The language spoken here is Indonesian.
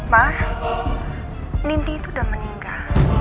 ma nindi itu udah meninggal